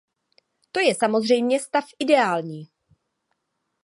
To je samozřejmě stav ideální.